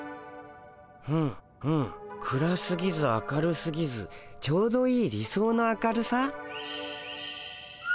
うんうん暗すぎず明るすぎずちょうどいい理想の明るさ？